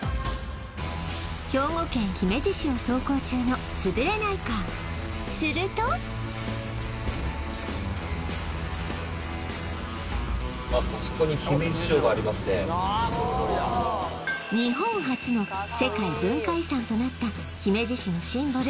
兵庫県姫路市を走行中のつぶれないカーするとあそこに日本初の世界文化遺産となった姫路市のシンボル